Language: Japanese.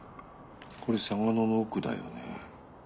これ嵯峨野の奥だよね？